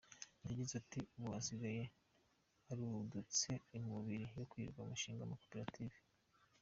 Yagize ati “Ubu hasigaye haradutse inkubiri yo kwirirwa mushinga amakoperative.